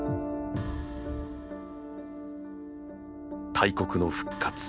「大国の復活」。